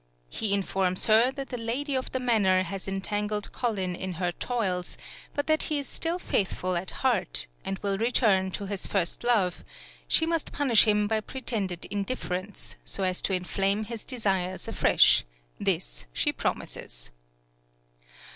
He informs her that the lady of the manor has entangled Colin in her toils, but that he is still faithful at heart, and will return to his first love; she must punish him by pretended indifference, so as to inflame his desires afresh; this she promises.